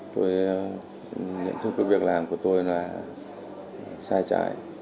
tôi nhận thức cái việc làm của tôi là sai trái